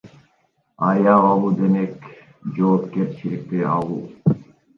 Аял алуу демек жоопкерчиликти алуу.